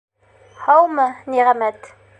Һаумы, Ниғәмәт.